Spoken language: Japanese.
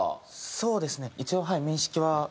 そうですね一応はい。